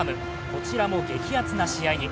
こちらも激アツな試合に。